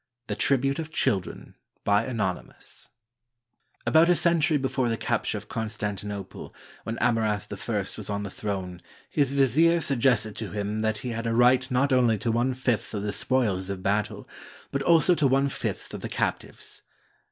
THE TRIBUTE OF CHILDREN ANONYMOUS [About a century before the capture of Constantinople, when Amurath I was on the throne, his vizier suggested to him that he had a right not only to one fifth of the spoils of battle, but also to one fifth of the captives.